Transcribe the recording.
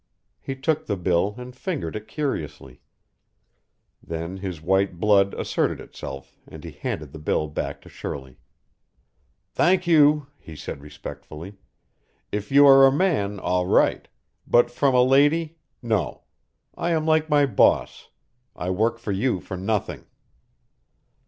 He took the bill and fingered it curiously; then his white blood asserted itself and he handed the bill back to Shirley. "Thank you," he said respectfully. "If you are a man all right. But from a lady no. I am like my boss. I work for you for nothing."